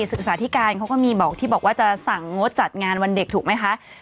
ศึกษาธิการเขาก็มีบอกที่บอกว่าจะสั่งงดจัดงานวันเด็กถูกไหมคะ